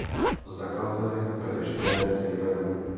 Zakladateli byli Židé z Jemenu.